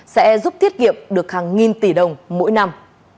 sẽ giúp thiết nghiệm được hàng nghìn tỷ đồng mỗi năm